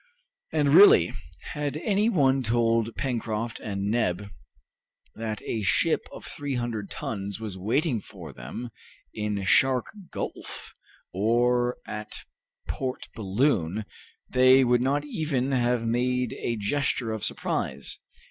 And, really, had any one told Pencroft and Neb that a ship of 300 tons was waiting for them in Shark Gulf or at Port Balloon, they would not even have made a gesture of surprise.